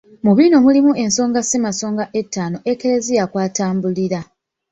Mu bino mulimu ensonga Ssemasonga ettaano Eklezia kw'atambulira.